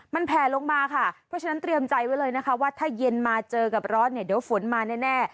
มันแผลลงมาค่ะเพราะฉะนั้นเตรียมใจไว้เลยนะคะว่าถ้าเย็นมาเจอกับร้อนเนี่ยเดี๋ยวฝนมาแน่